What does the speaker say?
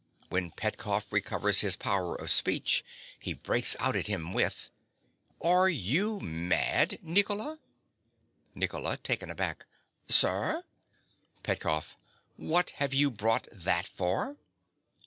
When Petkoff recovers his power of speech, he breaks out at him with_) Are you mad, Nicola? NICOLA. (taken aback). Sir? PETKOFF. What have you brought that for?